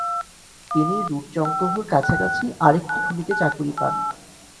তিনি রুটচঙ্কোভো'র কাছাকাছি আরেকটি খনিতে চাকুরী পান।